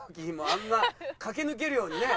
あんな駆け抜けるようにね。